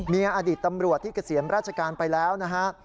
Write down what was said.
มีอดีตตำรวจที่เกษียณราชการไปแล้วนะฮะ